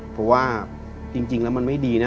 เพราะว่าจริงแล้วมันไม่ดีนะ